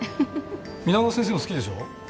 皆川先生も好きでしょう？